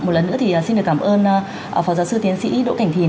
một lần nữa thì xin được cảm ơn phó giáo sư tiến sĩ đỗ cảnh thìn